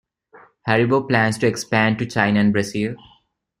Haribo plans to expand to China and Brazil.